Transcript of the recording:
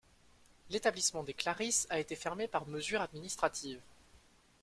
L'établissement des Clarisses a été fermé par mesure administrative.